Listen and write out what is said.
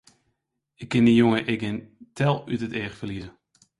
Ik kin dy jonge ek gjin tel út it each ferlieze!